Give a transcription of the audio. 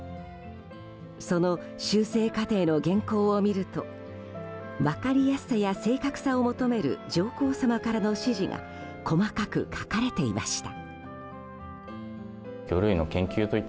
その修正過程の原稿を見ると分かりやすさや正確さを求める上皇さまからの指示が細かく書かれていました。